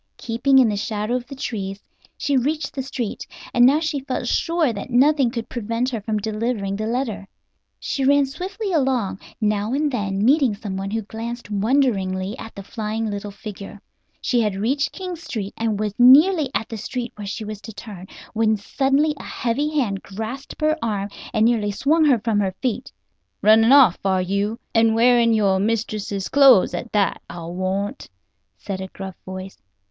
Keeping in the shadow of the trees she reached the street, and now she felt sure that nothing could prevent her from delivering the letter. She ran swiftly along, now and then meeting someone who glanced wonderingly at the flying little figure. She had reached King Street and was nearly at the street where she was to turn, when suddenly a heavy hand grasped her arm and nearly swung her from her feet. "Running off, are you? And wearing your mistress's clothes at that, I'll warrant," said a gruff voice.